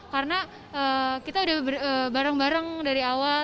karena kita udah bareng bareng dari awal